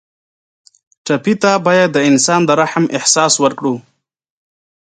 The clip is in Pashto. ټپي ته باید د انسان د رحم احساس ورکړو.